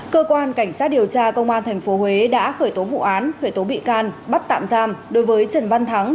cơ quan cảnh sát điều tra công an tp huế đã khởi tố vụ án khởi tố bị can bắt tạm giam đối với trần văn thắng